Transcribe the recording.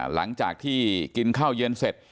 หลังจากที่กินข้าวเย็นเสร็จ